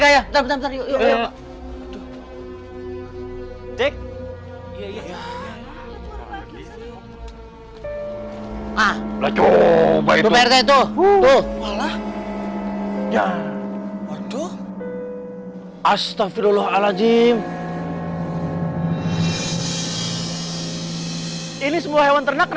ya tetap teriak tik ya ya ah coba itu tuh ya astagfirullahaladzim ini semua hewan ternak